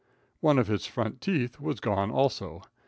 One of his front teeth was gone, also.